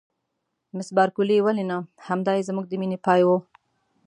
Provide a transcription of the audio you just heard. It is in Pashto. مس بارکلي: ولې نه؟ همدای زموږ د مینې پای و.